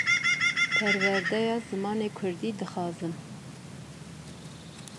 Balyozê Swêdê yê Enqereyê vehewandin Wezareta Derve ya Tirkiyeyê.